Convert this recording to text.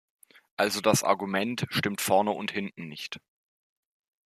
Also das Argument stimmt vorne und hinten nicht.